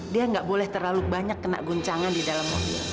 dia nggak boleh terlalu banyak kena guncangan di dalam mobil